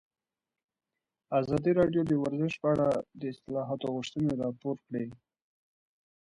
ازادي راډیو د ورزش په اړه د اصلاحاتو غوښتنې راپور کړې.